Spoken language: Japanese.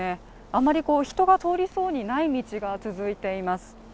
あまり人が通りそうにない道が続いています。